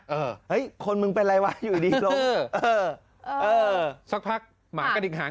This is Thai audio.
เออเฮ้ยคนมึงเป็นอะไรวะอยู่ดีหลงเออเออสักพักหมากระดิกหาง